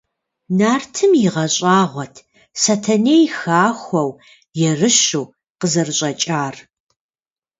Нартым игъэщӀагъуэт Сэтэней хахуэу, ерыщу къызэрыщӀэкӀар.